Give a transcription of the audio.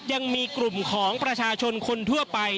ยังมีกลุ่มของประชาชนคนทั่วไป